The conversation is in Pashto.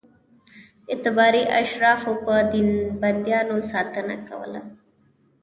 اعتباري اشرافو به د بندیانو ساتنه کوله.